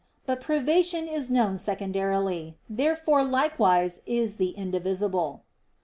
But privation is known secondarily. Therefore likewise is the indivisible.